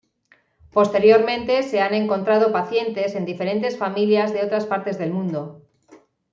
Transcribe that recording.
Posteriormente se han encontrado pacientes en diferentes familias de otras partes del mundo.